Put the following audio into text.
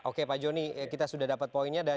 oke pak joni kita sudah dapat poinnya